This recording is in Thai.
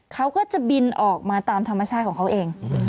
เขาก็จะบินออกมาตามธรรมชาติของเขาเอง